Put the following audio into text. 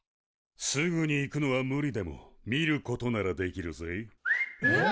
すぐに行くのは無理でも見ることならできるぜ。えっ！？